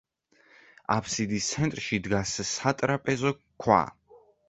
აფსიდის ცენტრში დგას სატრაპეზო ქვა.